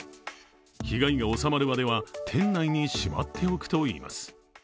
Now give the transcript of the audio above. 被害が収まるまでは店内にしまっておくといいます。